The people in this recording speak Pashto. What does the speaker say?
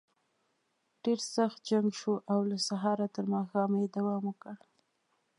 ډېر سخت جنګ شو او له سهاره تر ماښامه یې دوام وکړ.